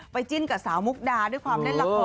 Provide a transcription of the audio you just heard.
จิ้นกับสาวมุกดาด้วยความเล่นละคร